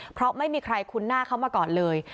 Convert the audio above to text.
เพราะไม่มีใครคุ้นหน้าเขามาก่อนเลย